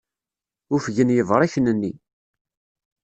Ufgen yebṛiken-nni.